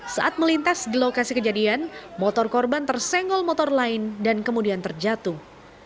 saat melintas di lokasi kejadian motor korban tersenggol motor lain dan kemudian terjatuh